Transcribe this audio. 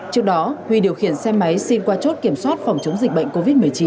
trước đó huy điều khiển xe máy xin qua chốt kiểm soát phòng chống dịch bệnh covid một mươi chín